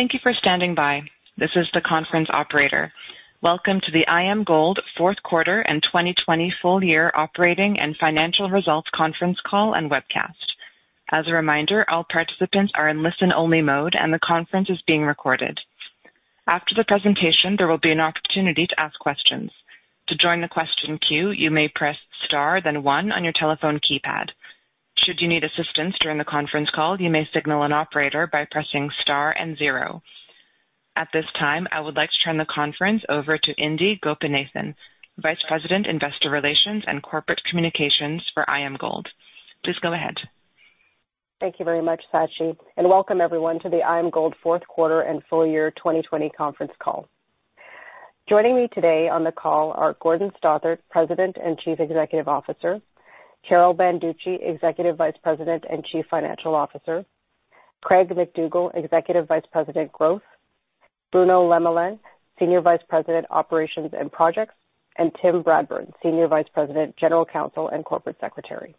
,Thank you for standing by. This is the conference operator. Welcome to the IAMGOLD fourth quarter and 2020 full year operating and financial results conference call and webcast. As a reminder, all participants are in listen-only mode, and the conference is being recorded. After the presentation, there will be an opportunity to ask questions. To join the question queue, you may press star then one on your telephone keypad. Should you need assistance during the conference call, you may signal an operator by pressing star and zero. At this time, I would like to turn the conference over to Indi Gopinathan, Vice President, Investor Relations and Corporate Communications for IAMGOLD. Please go ahead. Thank you very much, Sachi. Welcome everyone to the IAMGOLD fourth quarter and full year 2020 conference call. Joining me today on the call are Gordon Stothart, President and Chief Executive Officer, Carol Banducci, Executive Vice President and Chief Financial Officer; Craig MacDougall, Executive Vice President, Growth, Bruno Lemelin, Senior Vice President, Operations and Projects, and Tim Bradburn, Senior Vice President, General Counsel and Corporate Secretary.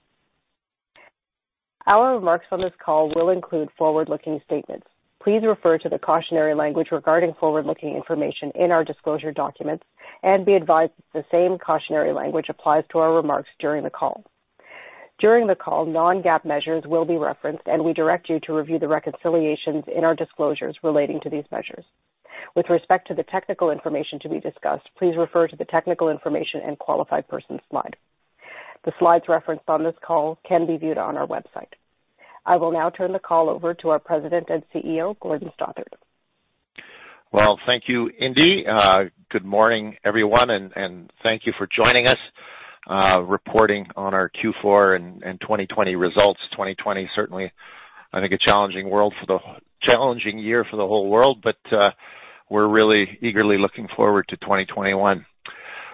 Our remarks on this call will include forward-looking statements. Please refer to the cautionary language regarding forward-looking information in our disclosure documents. Be advised that the same cautionary language applies to our remarks during the call. During the call, non-GAAP measures will be referenced. We direct you to review the reconciliations in our disclosures relating to these measures. With respect to the technical information to be discussed, please refer to the technical information and qualified persons slide. The slides referenced on this call can be viewed on our website. I will now turn the call over to our President and CEO, Gordon Stothart. Well, thank you, Indi. Good morning, everyone, and thank you for joining us. Reporting on our Q4 and 2020 results. 2020, certainly, I think a challenging year for the whole world. We're really eagerly looking forward to 2021.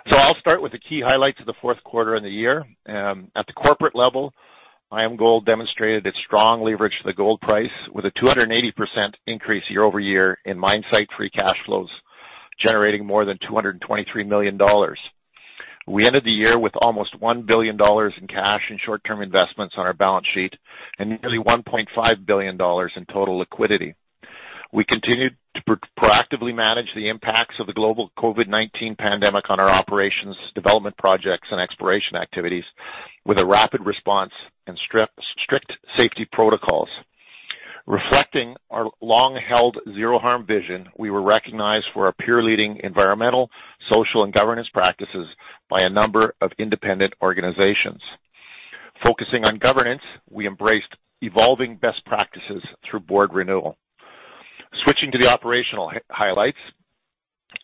I'll start with the key highlights of the fourth quarter and the year. At the corporate level, IAMGOLD demonstrated its strong leverage to the gold price with a 280% increase year-over-year in mine site free cash flows, generating more than $223 million. We ended the year with almost $1 billion in cash and short-term investments on our balance sheet and nearly $1.5 billion in total liquidity. We continued to proactively manage the impacts of the global COVID-19 pandemic on our operations, development projects, and exploration activities with a rapid response and strict safety protocols. Reflecting our long-held zero harm vision, we were recognized for our peer-leading environmental, social, and governance practices by a number of independent organizations. Focusing on governance, we embraced evolving best practices through board renewal. Switching to the operational highlights.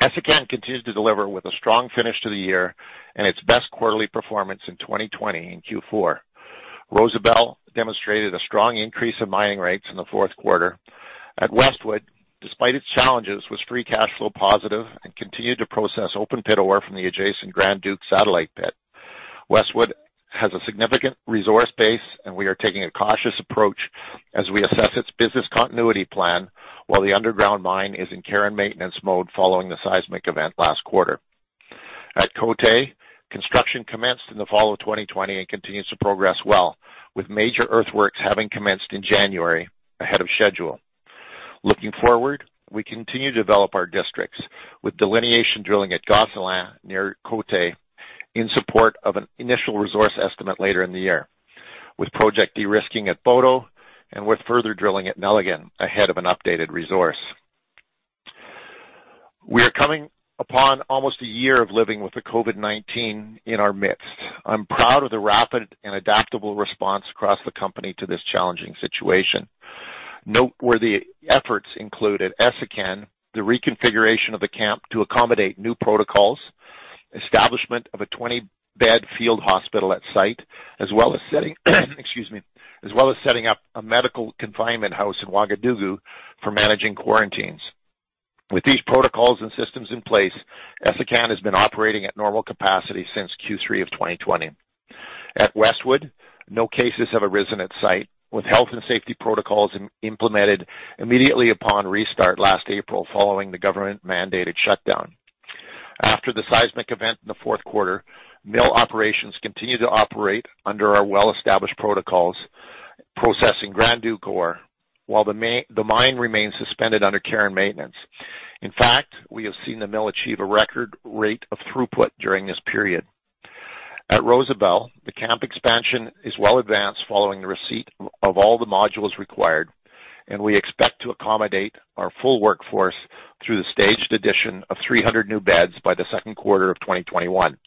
Essakane continues to deliver with a strong finish to the year and its best quarterly performance in 2020 in Q4. Rosebel demonstrated a strong increase in mining rates in the fourth quarter. At Westwood, despite its challenges, was free cash flow positive and continued to process open pit ore from the adjacent Grand Duc satellite pit. Westwood has a significant resource base, and we are taking a cautious approach as we assess its business continuity plan while the underground mine is in care and maintenance mode following the seismic event last quarter. At Côté, construction commenced in the fall of 2020 and continues to progress well, with major earthworks having commenced in January ahead of schedule. Looking forward, we continue to develop our districts with delineation drilling at Gosselin near Côté in support of an initial resource estimate later in the year, with project de-risking at Boto, and with further drilling at Meliene ahead of an updated resource. We are coming upon almost a year of living with COVID-19 in our midst. I'm proud of the rapid and adaptable response across the company to this challenging situation. Noteworthy efforts include, at Essakane, the reconfiguration of the camp to accommodate new protocols, establishment of a 20-bed field hospital at site, as well as setting up a medical confinement house in Ouagadougou for managing quarantines. With these protocols and systems in place, Essakane has been operating at normal capacity since Q3 2020. At Westwood, no cases have arisen at site, with health and safety protocols implemented immediately upon restart last April following the government-mandated shutdown. After the seismic event in the fourth quarter, mill operations continued to operate under our well-established protocols, processing Grand Duc ore, while the mine remains suspended under care and maintenance. In fact, we have seen the mill achieve a record rate of throughput during this period. At Rosebel, the camp expansion is well advanced following the receipt of all the modules required, and we expect to accommodate our full workforce through the staged addition of 300 new beds by the second quarter of 2021.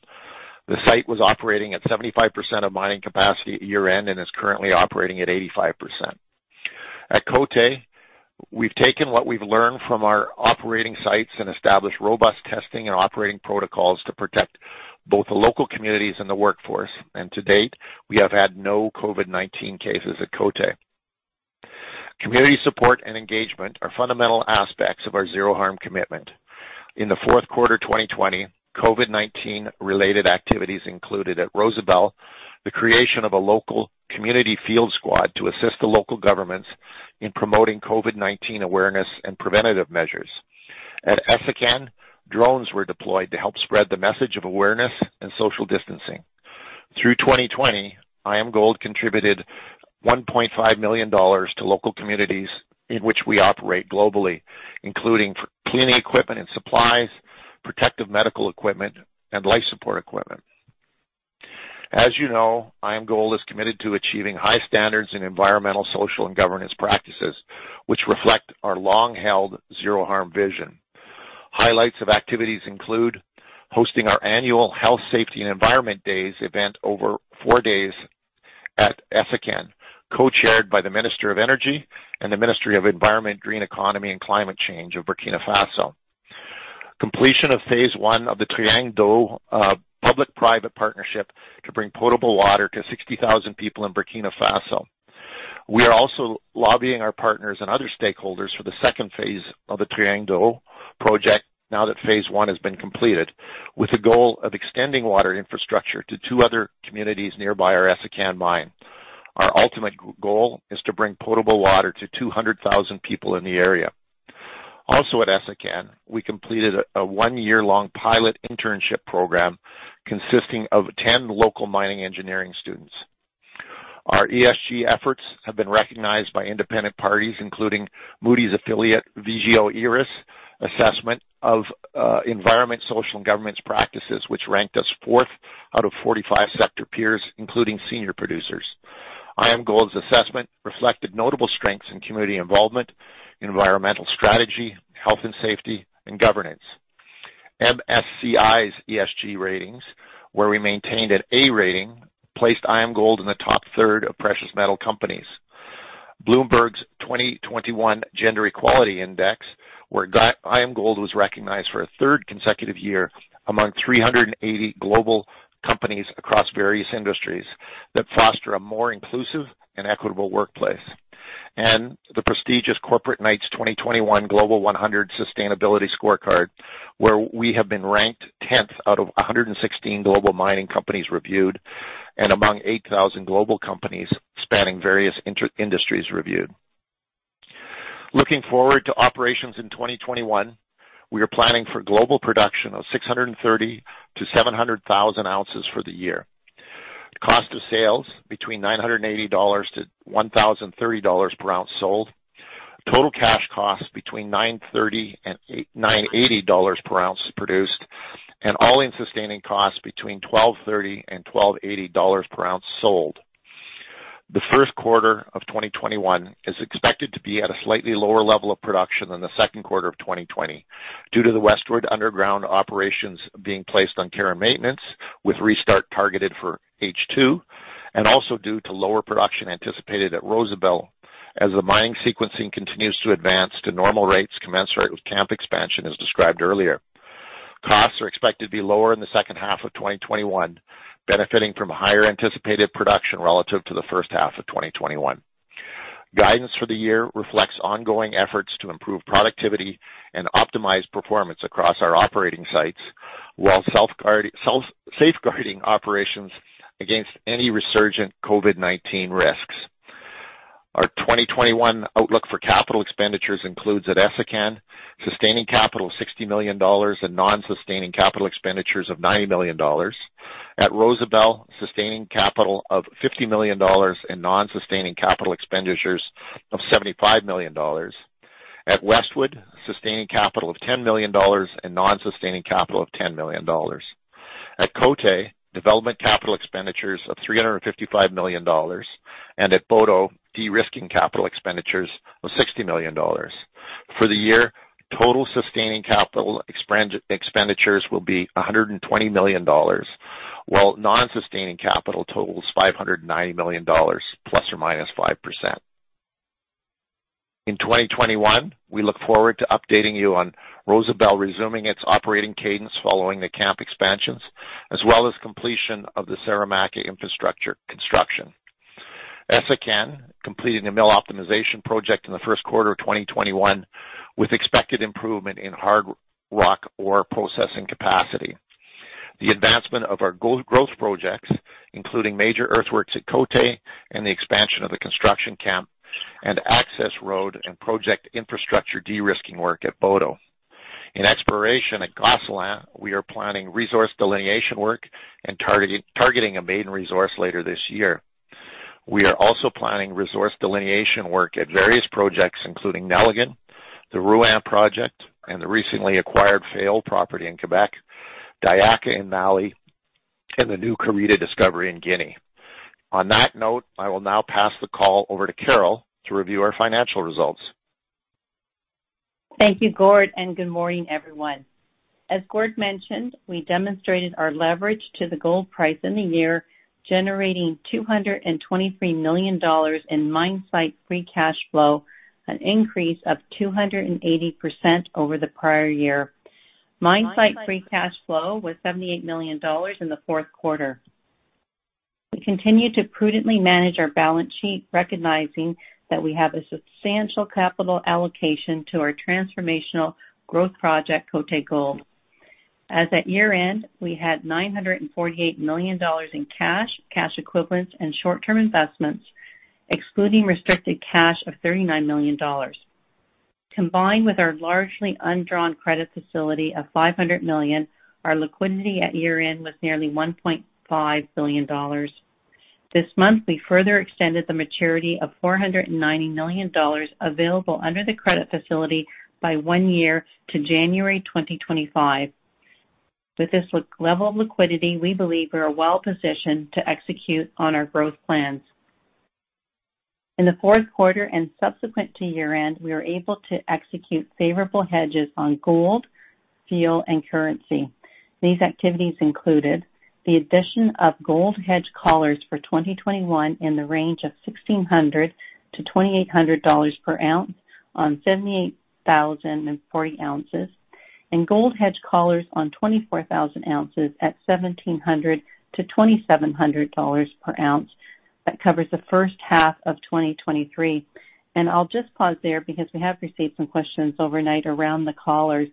The site was operating at 75% of mining capacity at year-end and is currently operating at 85%. At Côté, we've taken what we've learned from our operating sites and established robust testing and operating protocols to protect both the local communities and the workforce. To date, we have had no COVID-19 cases at Côté. Community support and engagement are fundamental aspects of our zero-harm commitment. In the fourth quarter 2020, COVID-19-related activities included, at Rosebel, the creation of a local community field squad to assist the local governments in promoting COVID-19 awareness and preventative measures. At Essakane, drones were deployed to help spread the message of awareness and social distancing. Through 2020, IAMGOLD contributed $1.5 million to local communities in which we operate globally, including cleaning equipment and supplies, protective medical equipment, and life support equipment. As you know, IAMGOLD is committed to achieving high standards in environmental, social, and governance practices, which reflect our long-held zero-harm vision. Highlights of activities include hosting our annual Health, Safety, and Environment Days event over four days at Essakane, co-chaired by the Minister of Energy and the Ministry of Environment, Green Economy, and Climate Change of Burkina Faso. Completion of phase one of the Triangle public-private partnership to bring potable water to 60,000 people in Burkina Faso. We are also lobbying our partners and other stakeholders for the second phase of the Triangle project now that phase one has been completed, with the goal of extending water infrastructure to two other communities nearby our Essakane mine. Our ultimate goal is to bring potable water to 200,000 people in the area. Also at Essakane, we completed a one-year-long pilot internship program consisting of 10 local mining engineering students. Our ESG efforts have been recognized by independent parties, including Moody's affiliate Vigeo Eiris assessment of environment, social, and governance practices, which ranked us fourth out of 45 sector peers, including senior producers. IAMGOLD's assessment reflected notable strengths in community involvement, environmental strategy, health and safety, and governance. MSCI's ESG ratings, where we maintained an A rating, placed IAMGOLD in the top third of precious metal companies. Bloomberg's 2021 Gender-Equality Index, where IAMGOLD was recognized for a third consecutive year among 380 global companies across various industries that foster a more inclusive and equitable workplace. The prestigious Corporate Knights 2021 Global 100 Sustainability Scorecard, where we have been ranked tenth out of 116 global mining companies reviewed and among 8,000 global companies spanning various industries reviewed. Looking forward to operations in 2021, we are planning for global production of 630,000 to 700,000 ounces for the year. Cost of sales between $980-$1,030 per ounce sold. Total cash costs between $930 and $980 per ounce produced, and all-in sustaining costs between $1,230 and $1,280 per ounce sold. The first quarter of 2021 is expected to be at a slightly lower level of production than the second quarter of 2020 due to the Westwood underground operations being placed on care and maintenance with restart targeted for H2, and also due to lower production anticipated at Rosebel as the mining sequencing continues to advance to normal rates commensurate with camp expansion as described earlier. Costs are expected to be lower in the second half of 2021, benefiting from higher anticipated production relative to the first half of 2021. Guidance for the year reflects ongoing efforts to improve productivity and optimize performance across our operating sites while safeguarding operations against any resurgent COVID-19 risks. Our 2021 outlook for capital expenditures includes at Essakane, sustaining capital of $60 million and non-sustaining capital expenditures of $90 million. At Rosebel, sustaining capital of $50 million and non-sustaining capital expenditures of $75 million. At Westwood, sustaining capital of $10 million and non-sustaining capital of $10 million. At Côté, development capital expenditures of $355 million. At Boto, de-risking capital expenditures of $60 million. For the year, total sustaining capital expenditures will be $120 million, while non-sustaining capital totals $590 million, ±5%. In 2021, we look forward to updating you on Rosebel resuming its operating cadence following the camp expansions, as well as completion of the Saramacca infrastructure construction. Essakane completing a mill optimization project in the first quarter of 2021 with expected improvement in hard rock ore processing capacity. The advancement of our growth projects, including major earthworks at Côté and the expansion of the construction camp and access road, and project infrastructure de-risking work at Boto. In exploration at Gosselin, we are planning resource delineation work and targeting a maiden resource later this year. We are also planning resource delineation work at various projects, including Nelligan, the Rouyn project, and the recently acquired Fayolle property in Québec, Diaka in Mali, and the new Karita discovery in Guinea. On that note, I will now pass the call over to Carol to review our financial results. Thank you, Gord, and good morning, everyone. As Gord mentioned, we demonstrated our leverage to the gold price in the year, generating $223 million in mine site free cash flow, an increase of 280% over the prior year. Mine site free cash flow was $78 million in the fourth quarter. We continue to prudently manage our balance sheet, recognizing that we have a substantial capital allocation to our transformational growth project, Côté Gold. As at year-end, we had $948 million in cash equivalents, and short-term investments, excluding restricted cash of $39 million. Combined with our largely undrawn credit facility of $500 million, our liquidity at year-end was nearly $1.5 billion. This month, we further extended the maturity of $490 million available under the credit facility by one year to January 2025. With this level of liquidity, we believe we are well-positioned to execute on our growth plans. In the fourth quarter and subsequent to year-end, we were able to execute favorable hedges on gold, fuel, and currency. These activities included the addition of gold hedge collars for 2021 in the range of $1,600-$2,800 per ounce on 78,040 ounces, and gold hedge collars on 24,000 ounces at $1,700-$2,700 per ounce. That covers the first half of 2023. I'll just pause there because we have received some questions overnight around the collars.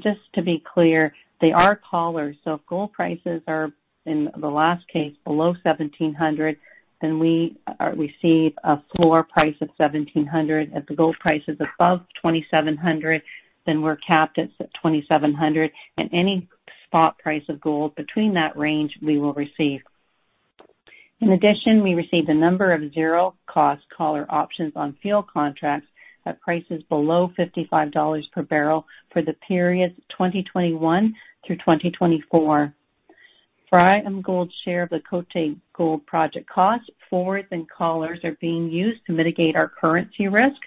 Just to be clear, they are collars. If gold prices are, in the last case, below $1,700, then we receive a floor price of $1,700. If the gold price is above $2,700, then we're capped at $2,700, and any spot price of gold between that range, we will receive. In addition, we received a number of zero-cost collar options on fuel contracts at prices below $55 per barrel for the period 2021 through 2024. For IAMGOLD's share of the Côté Gold Project cost, forwards and collars are being used to mitigate our currency risk.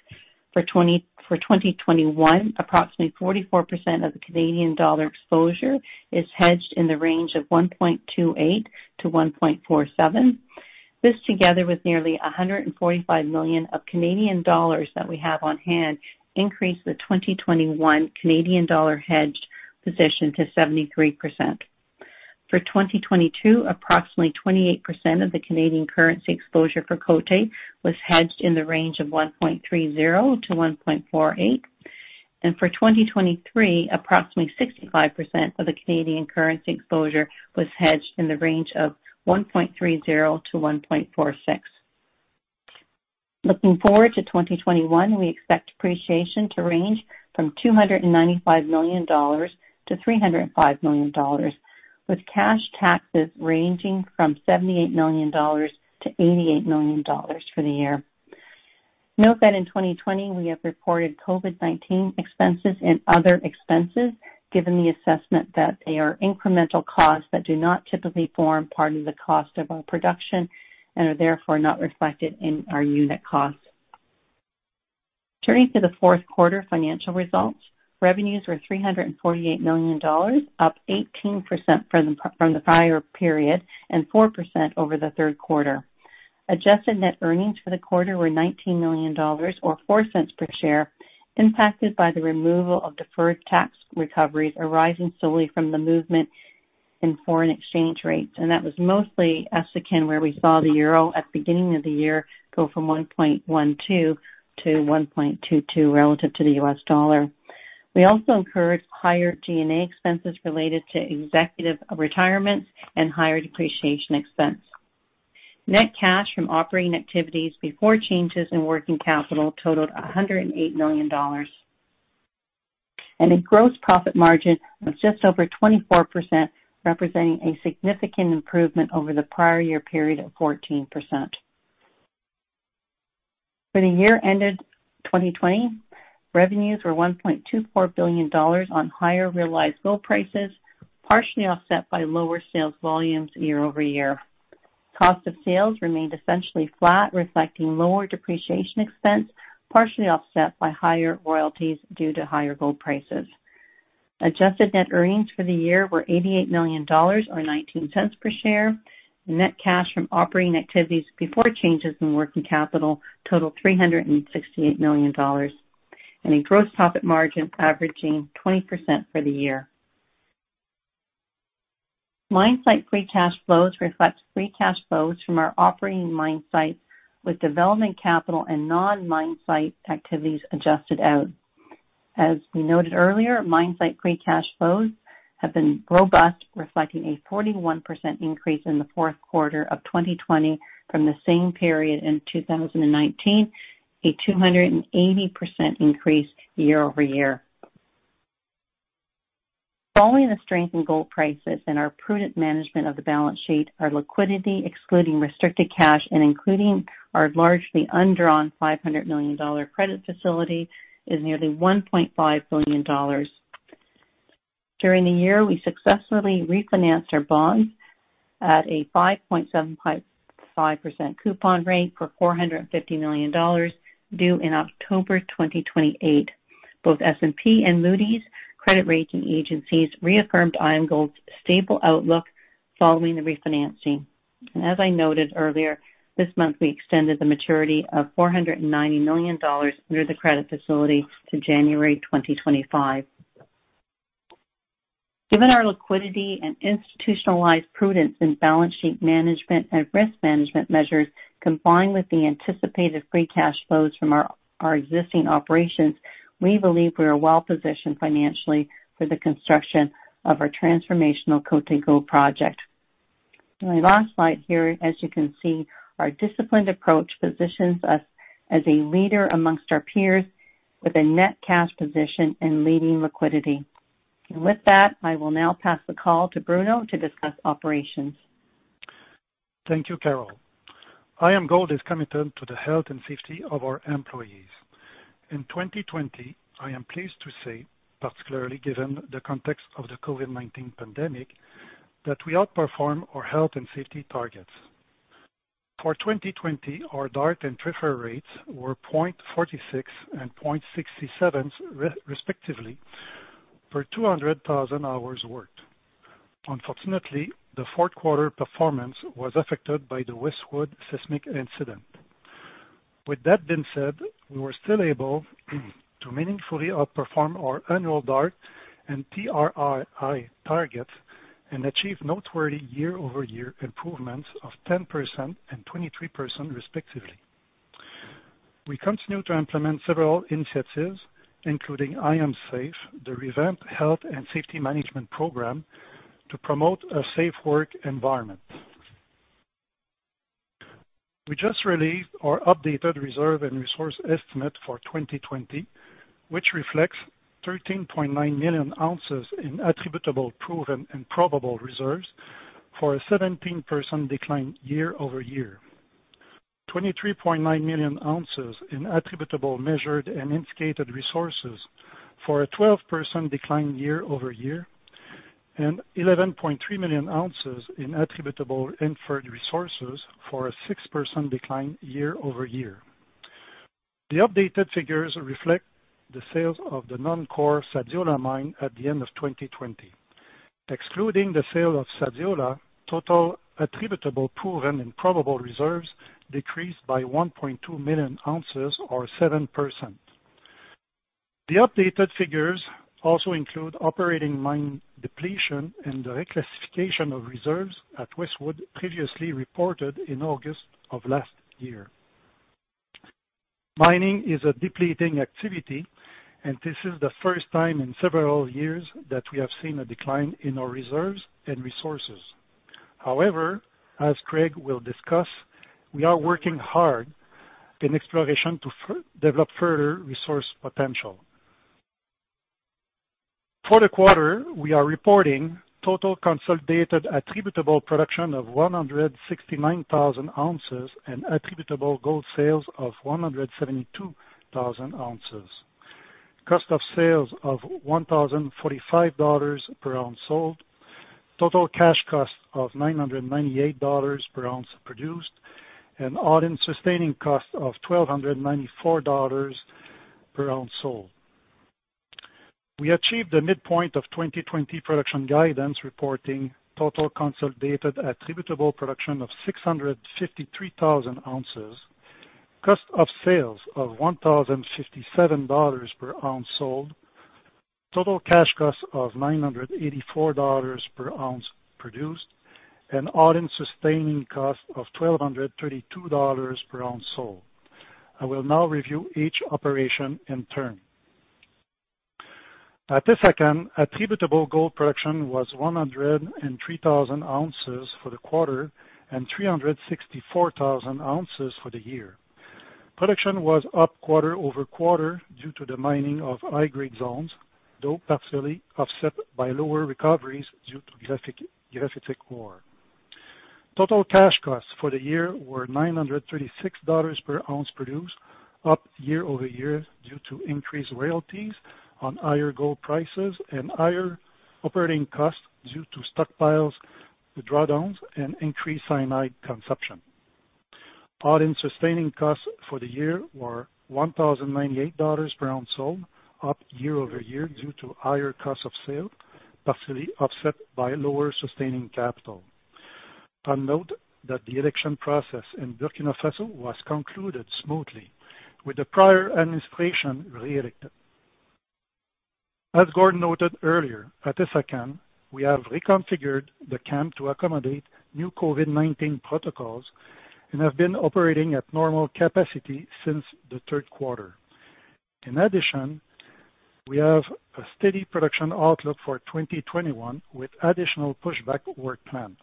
For 2021, approximately 44% of the Canadian dollar exposure is hedged in the range of 1.28-1.47. This, together with nearly 145 million of Canadian dollars that we have on hand, increased the 2021 Canadian dollar hedged position to 73%. For 2022, approximately 28% of the Canadian currency exposure for Côté was hedged in the range of 1.30-1.48. For 2023, approximately 65% of the Canadian currency exposure was hedged in the range of 1.30-1.46. Looking forward to 2021, we expect depreciation to range from $295 million-$305 million, with cash taxes ranging from $78 million-$88 million for the year. Note that in 2020, we have reported COVID-19 expenses in other expenses, given the assessment that they are incremental costs that do not typically form part of the cost of our production and are therefore not reflected in our unit costs. Turning to the fourth quarter financial results, revenues were $348 million, up 18% from the prior period and 4% over the third quarter. Adjusted net earnings for the quarter were $19 million or $0.04 per share, impacted by the removal of deferred tax recoveries arising solely from the movement in foreign exchange rates. That was mostly Essakane, where we saw the EUR at the beginning of the year go from 1.12 to 1.22 relative to the US dollar. We also incurred higher G&A expenses related to executive retirements and higher depreciation expense. Net cash from operating activities before changes in working capital totaled $108 million, and a gross profit margin was just over 24%, representing a significant improvement over the prior year period of 14%. For the year ended 2020, revenues were $1.24 billion on higher realized gold prices, partially offset by lower sales volumes year-over-year. Cost of sales remained essentially flat, reflecting lower depreciation expense, partially offset by higher royalties due to higher gold prices. Adjusted net earnings for the year were $88 million, or $0.19 per share. Net cash from operating activities before changes in working capital totaled $368 million, and a gross profit margin averaging 20% for the year. mine site free cash flows reflect free cash flows from our operating mine sites, with development capital and non-mine site activities adjusted out. As we noted earlier, mine site free cash flows have been robust, reflecting a 41% increase in the fourth quarter of 2020 from the same period in 2019, a 280% increase year-over-year. Following the strength in gold prices and our prudent management of the balance sheet, our liquidity, excluding restricted cash and including our largely undrawn $500 million credit facility, is nearly $1.5 billion. During the year, we successfully refinanced our bonds at a 5.75% coupon rate for $450 million due in October 2028. Both S&P and Moody's credit rating agencies reaffirmed IAMGOLD's stable outlook following the refinancing. As I noted earlier, this month, we extended the maturity of $490 million under the credit facility to January 2025. Given our liquidity and institutionalized prudence in balance sheet management and risk management measures, combined with the anticipated free cash flows from our existing operations, we believe we are well-positioned financially for the construction of our transformational Côté Gold Project. My last slide here, as you can see, our disciplined approach positions us as a leader amongst our peers with a net cash position and leading liquidity. With that, I will now pass the call to Bruno to discuss operations. Thank you, Carol. IAMGOLD is committed to the health and safety of our employees. In 2020, I am pleased to say, particularly given the context of the COVID-19 pandemic, that we outperformed our health and safety targets. For 2020, our DART and TRFR rates were 0.46 and 0.67, respectively, per 200,000 hours worked. Unfortunately, the fourth quarter performance was affected by the Westwood seismic incident. With that being said, we were still able to meaningfully outperform our annual DART and TRIF targets and achieve noteworthy year-over-year improvements of 10% and 23%, respectively. We continue to implement several initiatives, including IAMSAFE, the revamped health and safety management program, to promote a safe work environment. We just released our updated reserve and resource estimate for 2020, which reflects 13.9 million ounces in attributable proven and probable reserves for a 17% decline year-over-year. 23.9 million ounces in attributable measured and indicated resources for a 12% decline year-over-year, and 11.3 million ounces in attributable inferred resources for a 6% decline year-over-year. The updated figures reflect the sales of the non-core Sadiola mine at the end of 2020. Excluding the sale of Sadiola, total attributable proven and probable reserves decreased by 1.2 million ounces or 7%. The updated figures also include operating mine depletion and the reclassification of reserves at Westwood previously reported in August of last year. Mining is a depleting activity, and this is the first time in several years that we have seen a decline in our reserves and resources. However, as Craig will discuss, we are working hard in exploration to develop further resource potential. For the quarter, we are reporting total consolidated attributable production of 169,000 ounces and attributable gold sales of 172,000 ounces. Cost of sales of $1,045 per ounce sold. Total cash cost of $998 per ounce produced, and all-in sustaining cost of $1,294 per ounce sold. We achieved the midpoint of 2020 production guidance reporting total consolidated attributable production of 653,000 ounces, cost of sales of $1,057 per ounce sold, total cash cost of $984 per ounce produced, and all-in sustaining cost of $1,232 per ounce sold. I will now review each operation in turn. At Essakane, attributable gold production was 103,000 ounces for the quarter and 364,000 ounces for the year. Production was up quarter-over-quarter due to the mining of high-grade zones, though partially offset by lower recoveries due to graphitic ore. Total cash costs for the year were $936 per ounce produced, up year-over-year due to increased royalties on higher gold prices and higher operating costs due to stockpiles, the drawdowns, and increased cyanide consumption. All-in sustaining costs for the year were $1,098 per ounce sold, up year-over-year due to higher cost of sale, partially offset by lower sustaining capital. I note that the election process in Burkina Faso was concluded smoothly with the prior administration reelected. As Gord noted earlier, at Essakane, we have reconfigured the camp to accommodate new COVID-19 protocols and have been operating at normal capacity since the third quarter. We have a steady production outlook for 2021 with additional pushback work planned.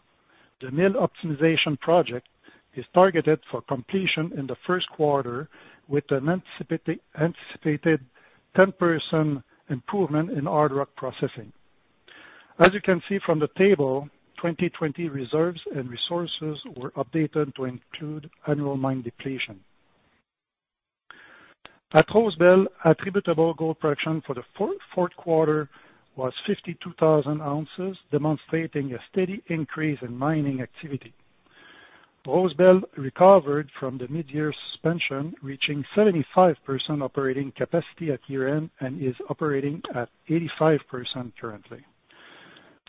The mill optimization project is targeted for completion in the first quarter with an anticipated 10% improvement in ore processing. As you can see from the table, 2020 reserves and resources were updated to include annual mine depletion. At Rosebel, attributable gold production for the full fourth quarter was 52,000 ounces, demonstrating a steady increase in mining activity. Rosebel recovered from the mid-year suspension, reaching 75% operating capacity at year-end, and is operating at 85% currently.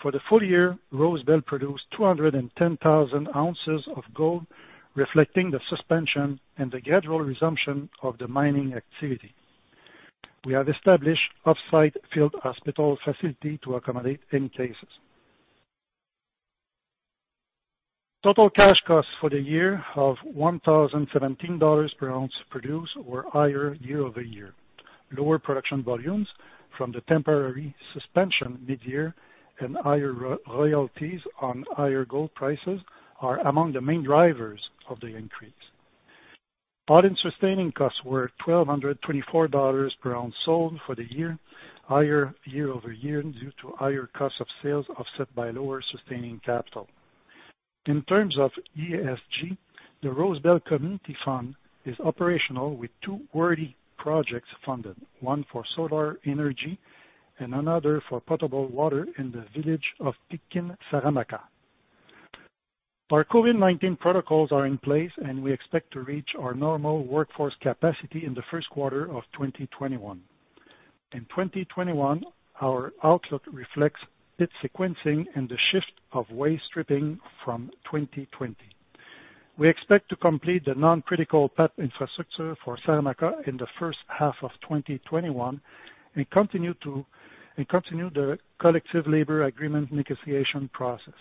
For the full year, Rosebel produced 210,000 ounces of gold, reflecting the suspension and the gradual resumption of the mining activity. We have established off-site field hospital facility to accommodate any cases. Total cash costs for the year of $1,017 per ounce produced were higher year-over-year. Lower production volumes from the temporary suspension mid-year and higher royalties on higher gold prices are among the main drivers of the increase. All-in sustaining costs were $1,224 per ounce sold for the year, higher year-over-year due to higher cost of sales offset by lower sustaining capital. In terms of ESG, the Rosebel Community Fund is operational with two worthy projects funded, one for solar energy and another for potable water in the village of Pikin Saramacca. Our COVID-19 protocols are in place, and we expect to reach our normal workforce capacity in the first quarter of 2021. In 2021, our outlook reflects pit sequencing and the shift of waste stripping from 2020. We expect to complete the non-critical path infrastructure for Saramacca in the first half of 2021 and continue the collective labor agreement negotiation process.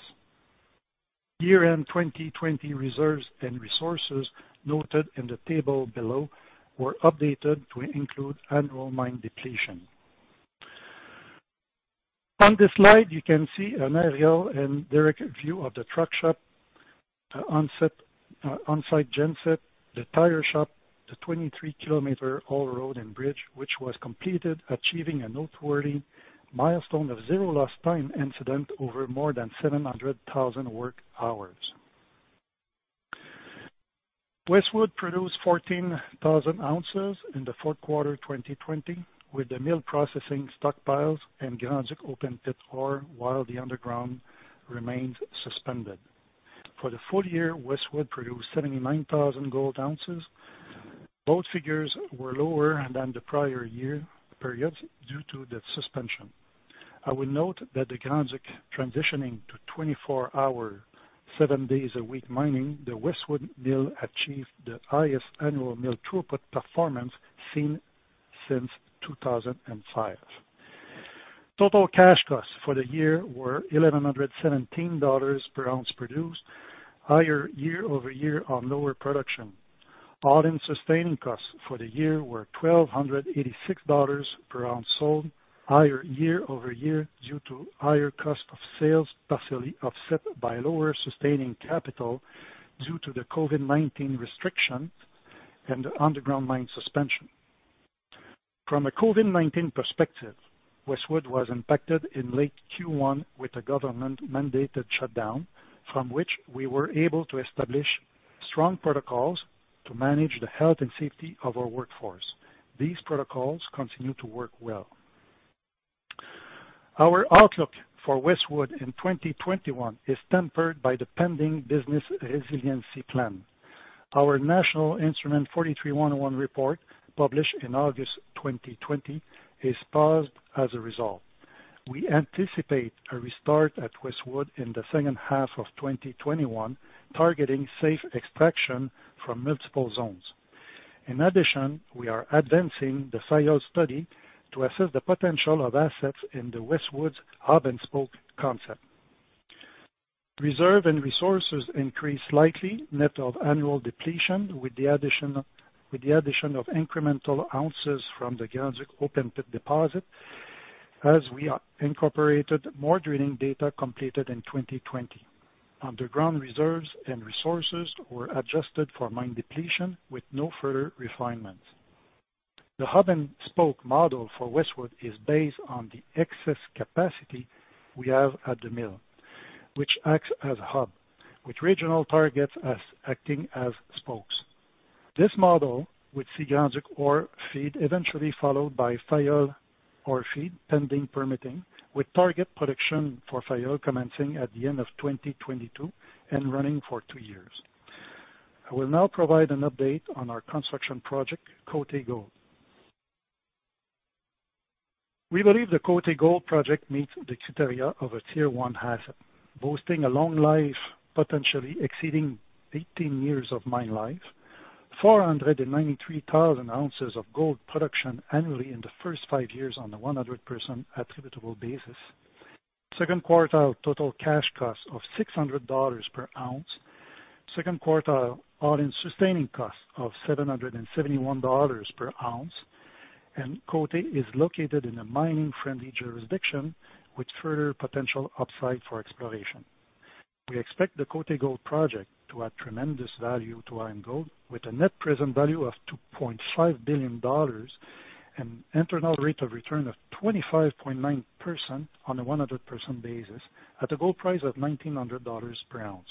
Year-end 2020 reserves and resources noted in the table below were updated to include annual mine depletion. On this slide, you can see an aerial and direct view of the truck shop, on-site genset, the tire shop, the 23 km haul road, and bridge, which was completed, achieving a noteworthy milestone of zero lost time incidents over more than 700,000 work hours. Westwood produced 14,000 ounces in the fourth quarter 2020, with the mill processing stockpiles and Garzweiler open pit ore while the underground remained suspended. For the full year, Westwood produced 79,000 gold ounces. Both figures were lower than the prior year periods due to the suspension. I will note that the Garzweiler transitioning to 24-hour, seven-day-a-week mining, the Westwood mill achieved the highest annual mill throughput performance seen since 2005. total cash costs for the year were $1,117 per ounce produced, higher year-over-year on lower production. All-in sustaining costs for the year were $1,286 per ounce sold, higher year-over-year due to higher cost of sales partially offset by lower sustaining capital due to the COVID-19 restrictions and the underground mine suspension. From a COVID-19 perspective, Westwood was impacted in late Q1 with a government-mandated shutdown, from which we were able to establish strong protocols to manage the health and safety of our workforce. These protocols continue to work well. Our outlook for Westwood in 2021 is tempered by the pending business resiliency plan. Our National Instrument 43-101 report, published in August 2020, is paused as a result. We anticipate a restart at Westwood in the second half of 2021, targeting safe extraction from multiple zones. In addition, we are advancing the Fayolle study to assess the potential of assets in the Westwood's hub-and-spoke concept. Reserve and resources increased slightly net of annual depletion with the addition of incremental ounces from the Grand Duc open pit deposit, as we incorporated more drilling data completed in 2020. Underground reserves and resources were adjusted for mine depletion with no further refinements. The hub-and-spoke model for Westwood is based on the excess capacity we have at the mill, which acts as a hub, with regional targets acting as spokes. This model would see Garzweiler ore feed eventually followed by Fayo ore feed pending permitting, with target production for Fayo commencing at the end of 2022 and running for two years. I will now provide an update on our construction project, Côté Gold. We believe the Côté Gold Project meets the criteria of a Tier 1 asset, boasting a long life, potentially exceeding 18 years of mine life, 493,000 ounces of gold production annually in the first five years on a 100% attributable basis. 2nd quartile total cash cost of $600 per ounce, 2nd quartile all-in sustaining cost of $771 per ounce. Côté is located in a mining-friendly jurisdiction with further potential upside for exploration. We expect the Côté Gold Project to add tremendous value to IAMGOLD with a net present value of $2.5 billion and an internal rate of return of 25.9% on a 100% basis at a gold price of $1,900 per ounce.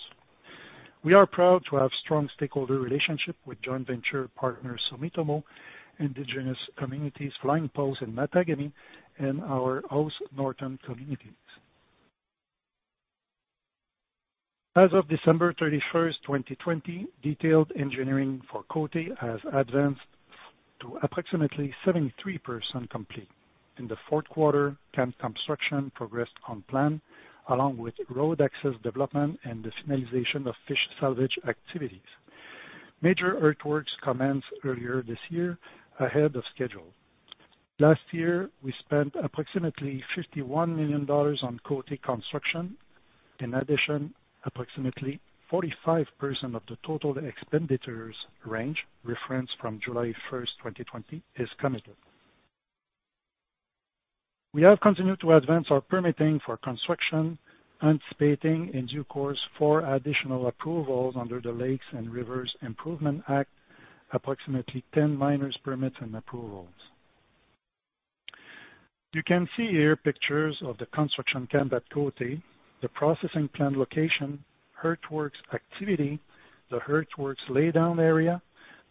We are proud to have strong stakeholder relationships with joint venture partner Sumitomo, indigenous communities Flying Post and Mattagami, and our host Northern communities. As of December 31st, 2020, detailed engineering for Côté has advanced to approximately 73% complete. In the fourth quarter, camp construction progressed on plan, along with road access development and the finalization of fish salvage activities. Major earthworks commenced earlier this year ahead of schedule. Last year, we spent approximately $51 million on Côté construction. In addition, approximately 45% of the total expenditures range referenced from July 1st, 2020, is committed. We have continued to advance our permitting for construction, anticipating in due course four additional approvals under the Lakes and Rivers Improvement Act, approximately 10 miners permits, and approvals. You can see here pictures of the construction camp at Côté, the processing plant location, earthworks activity, the earthworks laydown area,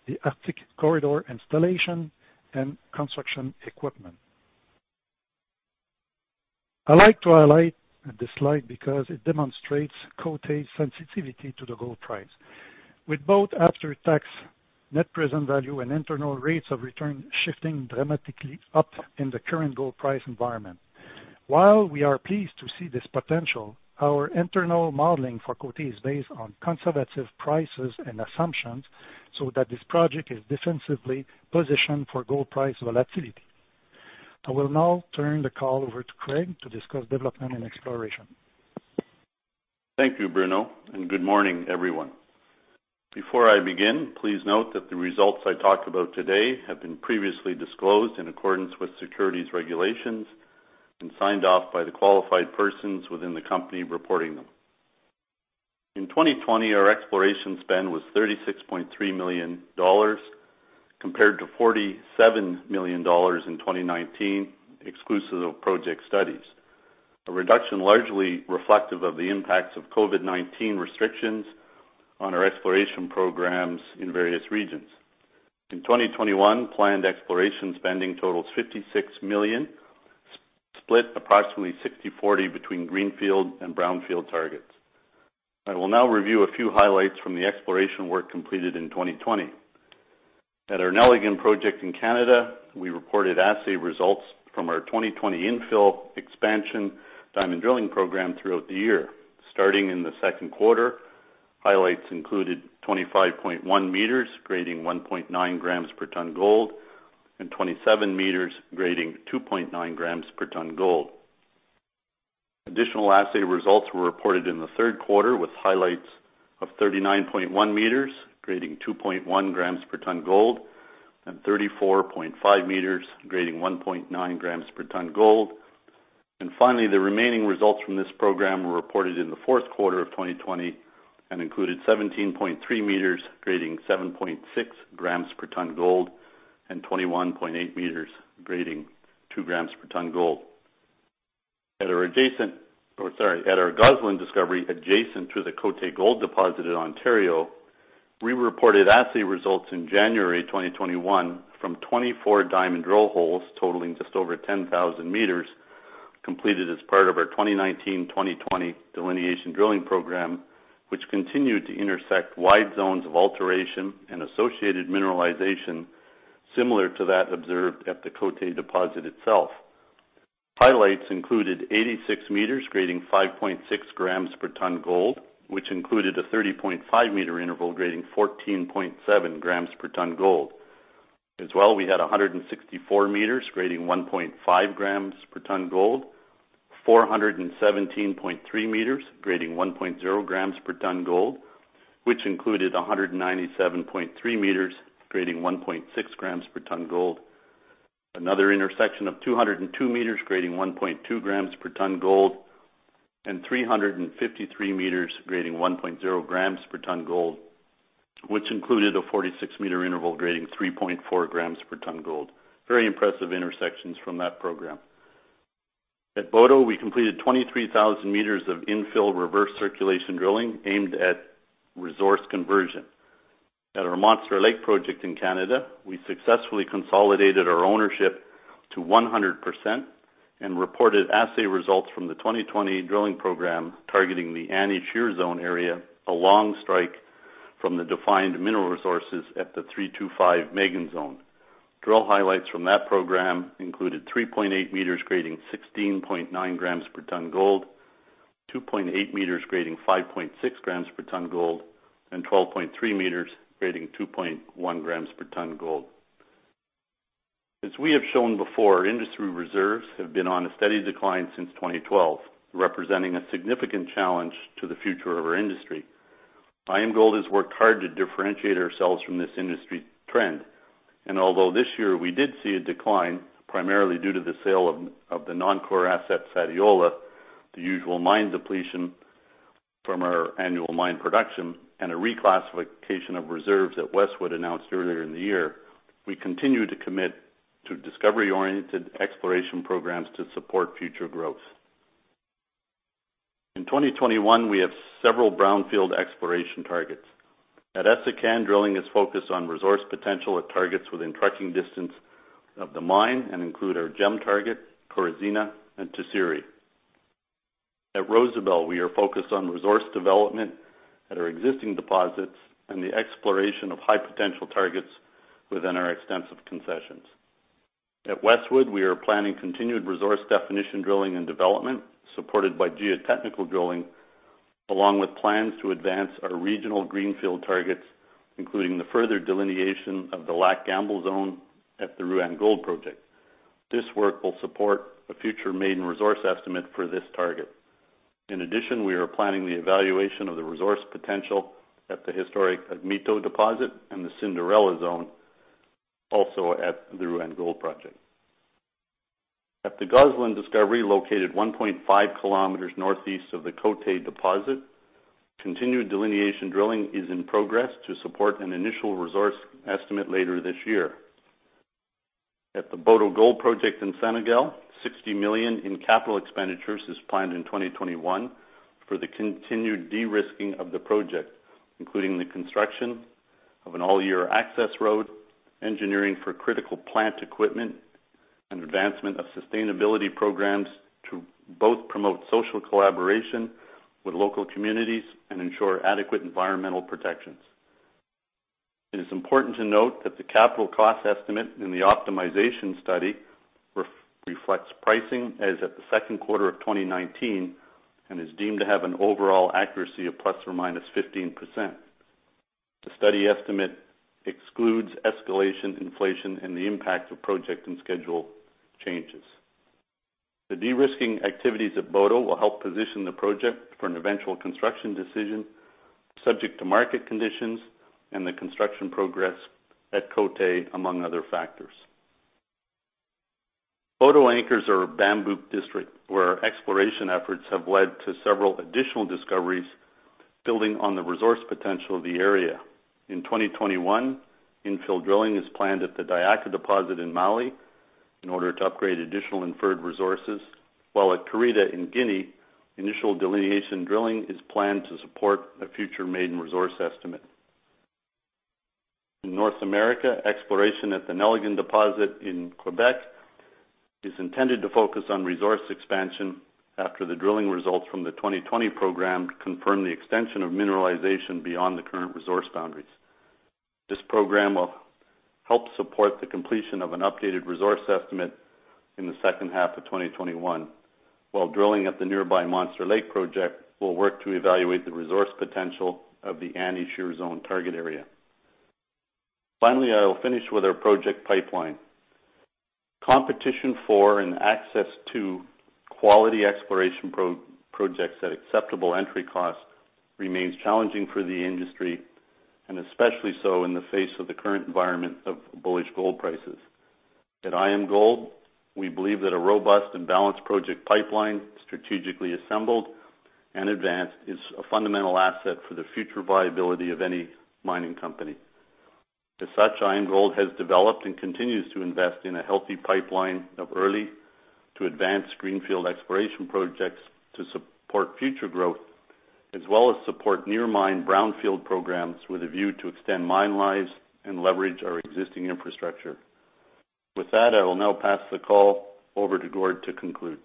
the Arctic corridor installation, and construction equipment. I like to highlight this slide because it demonstrates Côté's sensitivity to the gold price, with both after-tax net present value and internal rates of return shifting dramatically up in the current gold price environment. While we are pleased to see this potential, our internal modeling for Côté is based on conservative prices and assumptions so that this project is defensively positioned for gold price volatility. I will now turn the call over to Craig to discuss development and exploration. Thank you, Bruno, and good morning, everyone. Before I begin, please note that the results I talk about today have been previously disclosed in accordance with securities regulations and signed off by the qualified persons within the company reporting them. In 2020, our exploration spend was $36.3 million, compared to $47 million in 2019, exclusive of project studies. A reduction largely reflective of the impacts of COVID-19 restrictions on our exploration programs in various regions. In 2021, planned exploration spending totals $56 million, split approximately 60/40 between greenfield and brownfield targets. I will now review a few highlights from the exploration work completed in 2020. At our Nelligan project in Canada, we reported assay results from our 2020 infill expansion diamond drilling program throughout the year. Starting in the second quarter, highlights included 25.1 meters grading 1.9 grams per ton gold and 27 meters grading 2.9 grams per ton gold. Additional assay results were reported in the third quarter, with highlights of 39.1 meters grading 2.1 grams per ton gold and 34.5 meters grading 1.9 grams per ton gold. Finally, the remaining results from this program were reported in the fourth quarter of 2020 and included 17.3 meters grading 7.6 grams per ton gold and 21.8 meters grading 2 grams per ton gold. At our Gosselin discovery, adjacent to the Côté Gold deposit in Ontario, we reported assay results in January 2021 from 24 diamond drill holes totaling just over 10,000 meters, completed as part of our 2019/2020 delineation drilling program, which continued to intersect wide zones of alteration and associated mineralization similar to that observed at the Côté Gold deposit itself. Highlights included 86 meters grading 5.6 grams per ton gold, which included a 30.5-meter interval grading 14.7 grams per ton gold. As well, we had 164 meters grading 1.5 grams per ton gold, 417.3 meters grading 1.0 grams per ton gold, which included 197.3 meters grading 1.6 grams per ton gold. Another intersection of 202 meters grading 1.2 grams per ton gold and 353 meters grading 1.0 grams per ton gold, which included a 46-meter interval grading 3.4 grams per ton gold. Very impressive intersections from that program. At Boto, we completed 23,000 meters of infill reverse circulation drilling aimed at resource conversion. At our Monster Lake project in Canada, we successfully consolidated our ownership to 100% and reported assay results from the 2020 drilling program targeting the Annie Shear Zone area along strike from the defined mineral resources at the 325-Megane Zone. Drill highlights from that program included 3.8 meters grading 16.9 grams per ton gold, 2.8 meters grading 5.6 grams per ton gold, and 12.3 meters grading 2.1 grams per ton gold. As we have shown before, industry reserves have been on a steady decline since 2012, representing a significant challenge to the future of our industry. IAMGOLD has worked hard to differentiate ourselves from this industry trend, and although this year we did see a decline, primarily due to the sale of the non-core asset at Sadiola, the usual mine depletion from our annual mine production, and a reclassification of reserves that Westwood announced earlier in the year, we continue to commit to discovery-oriented exploration programs to support future growth. In 2021, we have several brownfield exploration targets. At Essakane, drilling is focused on resource potential at targets within trucking distance of the mine and includes our Gem target, Korozina, and Tisiri. At Rosebel, we are focused on resource development at our existing deposits and the exploration of high-potential targets within our extensive concessions. At Westwood, we are planning continued resource definition drilling and development, supported by geotechnical drilling, along with plans to advance our regional greenfield targets, including the further delineation of the Lac Gamble zone at the Rouyn Gold Project. This work will support a future maiden resource estimate for this target. We are planning the evaluation of the resource potential at the historic Augmitto deposit and the Cinderella Zone, also at the Rouyn Gold Project. At the Gosselin discovery, located 1.5 kilometers northeast of the Côté deposit, continued delineation drilling is in progress to support an initial resource estimate later this year. At the Boto Gold Project in Senegal, $60 million in capital expenditures is planned in 2021 for the continued de-risking of the project, including the construction of an all-year access road, engineering for critical plant equipment, and advancement of sustainability programs to both promote social collaboration with local communities and ensure adequate environmental protection. It is important to note that the capital cost estimate in the optimization study reflects pricing as of the second quarter of 2019 and is deemed to have an overall accuracy of ±15%. The study estimate excludes escalation, inflation, and the impact of project and schedule changes. The de-risking activities at Boto will help position the project for an eventual construction decision, subject to market conditions and the construction progress at Côté, among other factors. Boto anchors our Bambouk district, where exploration efforts have led to several additional discoveries, building on the resource potential of the area. In 2021, infill drilling is planned at the Diaka deposit in Mali in order to upgrade additional inferred resources, while at Karita in Guinea, initial delineation drilling is planned to support a future maiden resource estimate. In North America, exploration at the Nelligan deposit in Quebec is intended to focus on resource expansion after the drilling results from the 2020 program confirm the extension of mineralization beyond the current resource boundaries. This program will help support the completion of an updated resource estimate in the second half of 2021, while drilling at the nearby Monster Lake project will work to evaluate the resource potential of the Annie Shear Zone target area. Finally, I will finish with our project pipeline. Competition for and access to quality exploration projects at acceptable entry cost remain challenging for the industry, and especially so in the face of the current environment of bullish gold prices. At IAMGOLD, we believe that a robust and balanced project pipeline, strategically assembled and advanced, is a fundamental asset for the future viability of any mining company. As such, IAMGOLD has developed and continues to invest in a healthy pipeline of early to advanced greenfield exploration projects to support future growth, as well as support near mine brownfield programs with a view to extend mine lives and leverage our existing infrastructure. With that, I will now pass the call over to Gord to conclude.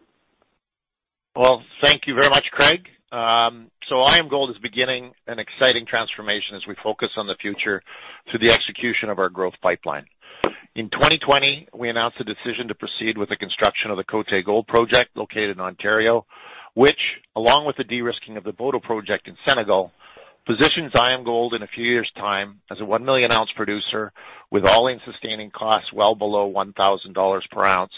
Well, thank you very much, Craig. IAMGOLD is beginning an exciting transformation as we focus on the future through the execution of our growth pipeline. In 2020, we announced the decision to proceed with the construction of the Côté Gold Project located in Ontario, which, along with the de-risking of the Boto Project in Senegal, positions IAMGOLD in a few years' time as a 1 million-ounce producer with all-in sustaining costs well below $1,000 per ounce,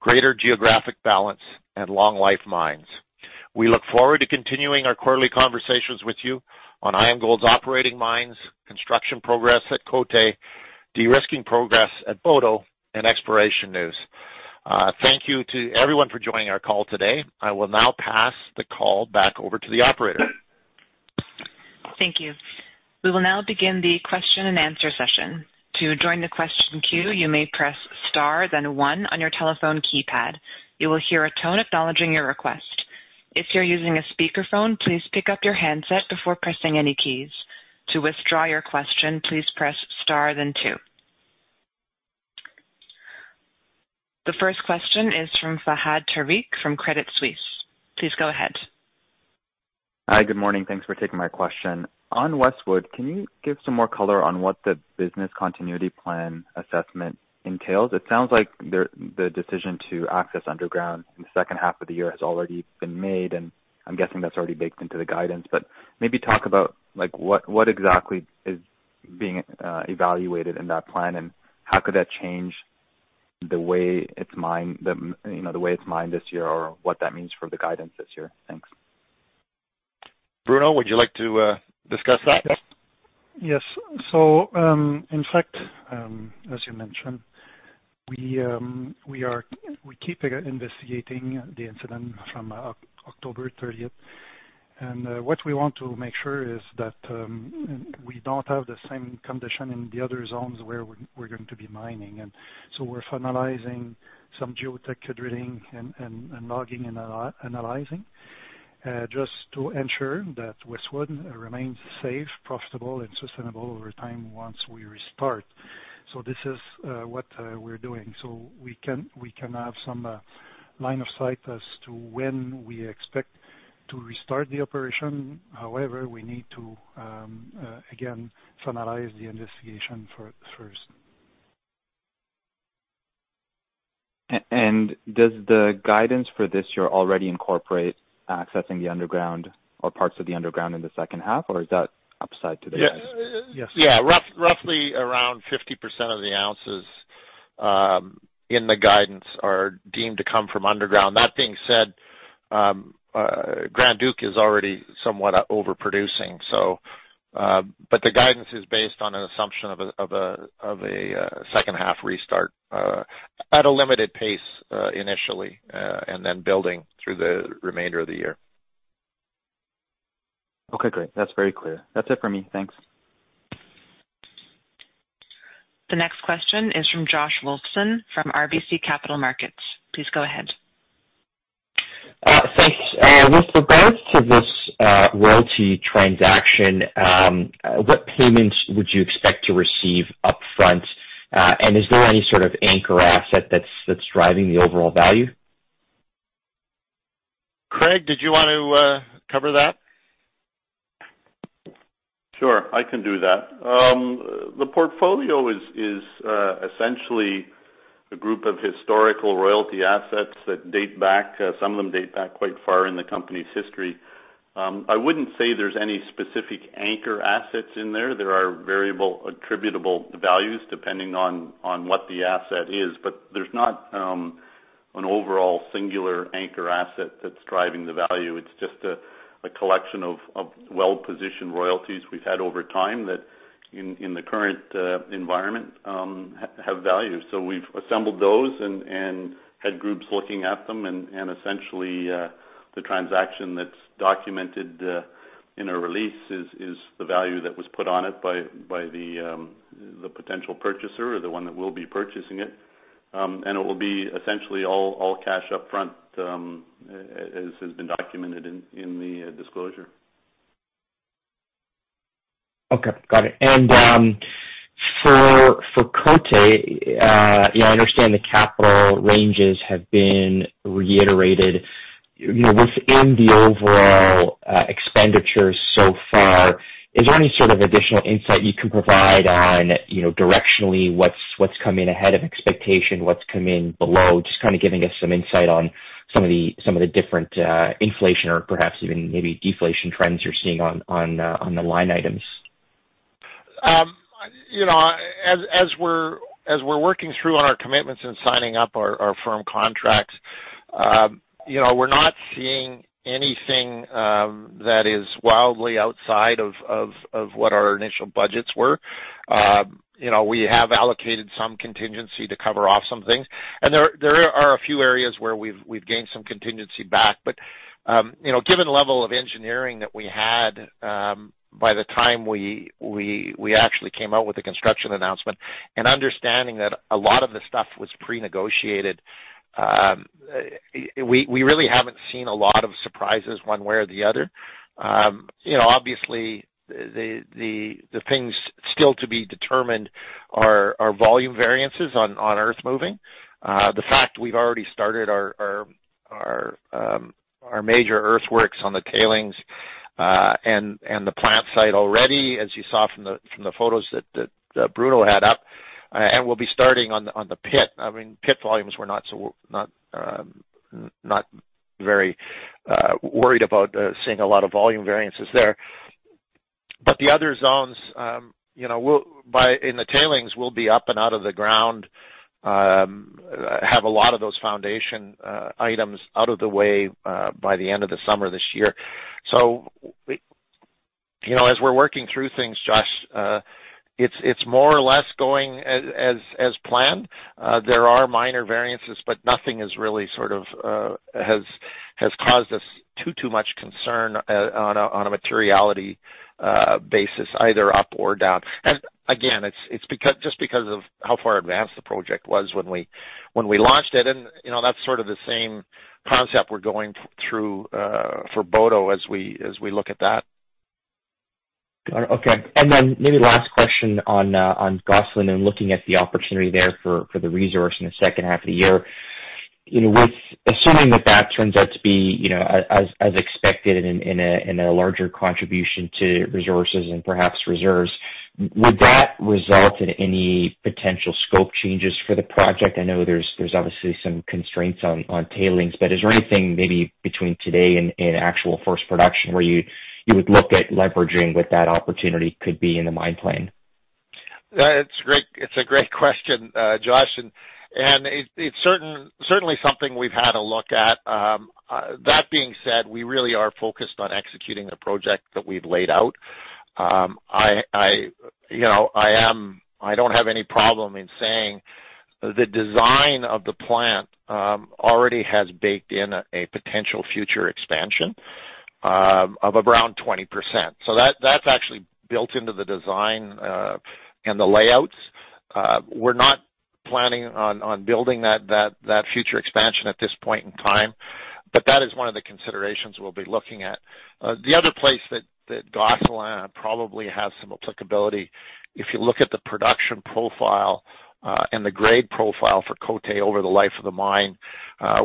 greater geographic balance, and long-life mines. We look forward to continuing our quarterly conversations with you on IAMGOLD's operating mines, construction progress at Côté, de-risking progress at Boto, and exploration news. Thank you to everyone for joining our call today. I will now pass the call back over to the operator. Thank you. We will now begin the question and answer session. To join the question queue, you may press star then one on your telephone keypad. You will hear a tone acknowledging your request. If you are using a speakerphone, please pick up your handset before pressing any keys. To withdraw your question, please press star then two. The first question is from Fahad Tariq from Credit Suisse. Please go ahead. Hi. Good morning. Thanks for taking my question. On Westwood, can you give some more color on what the business continuity plan assessment entails? It sounds like the decision to access underground in the second half of the year has already been made, and I'm guessing that's already baked into the guidance. Maybe talk about what exactly is being evaluated in that plan, and how could that change the way it's mined this year, or what that means for the guidance this year. Thanks. Bruno, would you like to discuss that? Yes. In fact, as you mentioned, we keep investigating the incident from October 30th. What we want to make sure is that we don't have the same condition in the other zones where we're going to be mining. We're finalizing some geotech drilling, logging, and analyzing, just to ensure that Westwood remains safe, profitable, and sustainable over time once we restart. This is what we're doing. We can have some line of sight as to when we expect to restart the operation. However, we need to, again, finalize the investigation first. Does the guidance for this year already incorporate accessing the underground or parts of the underground in the second half? Or is that upside? Yeah. Yes. Roughly around 50% of the ounces in the guidance are deemed to come from underground. That being said, Grand Duc is already somewhat overproducing. The guidance is based on an assumption of a second-half restart at a limited pace initially, and then building through the remainder of the year. Okay, great. That's very clear. That's it for me. Thanks. The next question is from Josh Wilson from RBC Capital Markets. Please go ahead. Thanks. With regards to this royalty transaction, what payments would you expect to receive upfront? Is there any sort of anchor asset that's driving the overall value? Craig, did you want to cover that? Sure, I can do that. The portfolio is essentially a group of historical royalty assets that date back, some of them date back quite far in the company's history. I wouldn't say there's any specific anchor assets in there. There are variable attributable values depending on what the asset is. There's not an overall singular anchor asset that's driving the value. It's just a collection of well-positioned royalties we've had over time that in the current environment, have value. We've assembled those and had groups looking at them, and essentially, the transaction that's documented in our release is the value that was put on it by the potential purchaser or the one that will be purchasing it. It will be essentially all cash upfront, as has been documented in the disclosure. Okay, got it. For Côté, I understand the capital ranges have been reiterated within the overall expenditures so far. Is there any sort of additional insight you can provide on directionally what's come in ahead of expectation, what's come in below? Just giving us some insight on some of the different inflation or perhaps even maybe deflation trends you're seeing on the line items. As we're working through on our commitments and signing up our firm contracts, we're not seeing anything that is wildly outside of what our initial budgets were. We have allocated some contingency to cover off some things. There are a few areas where we've gained some contingency back. Given the level of engineering that we had by the time we actually came out with the construction announcement and understanding that a lot of the stuff was pre-negotiated, we really haven't seen a lot of surprises one way or the other. Obviously, the things still to be determined are volume variances on earth moving. The fact we've already started our major earthworks on the tailings and the plant site already, as you saw from the photos that Bruno had up, and we'll be starting on the pit. Pit volumes, we're not very worried about seeing a lot of volume variances there. The other zones in the tailings will be up and out of the ground, have a lot of those foundation items out of the way by the end of the summer this year. As we're working through things, Josh, it's more or less going as planned. There are minor variances, nothing has really sort of caused us too much concern on a materiality basis, either up or down. Again, it's just because of how far advanced the project was when we launched it, that's sort of the same concept we're going through for Boto as we look at that. Okay. Maybe last question on Gosselin, and looking at the opportunity there for the resource in the second half of the year. Assuming that turns out to be as expected in a larger contribution to resources and perhaps reserves, would that result in any potential scope changes for the project? I know there's obviously some constraints on tailings, but is there anything maybe between today and actual first production where you would look at leveraging what that opportunity could be in the mine plan? It's a great question, Josh. It's certainly something we've had a look at. That being said, we really are focused on executing the project that we've laid out. I don't have any problem in saying the design of the plant already has baked in a potential future expansion of around 20%. That's actually built into the design and the layouts. We're not planning on building that future expansion at this point in time. That is one of the considerations we'll be looking at. The other place that Gosselin probably has some applicability, if you look at the production profile and the grade profile for Côté over the life of the mine,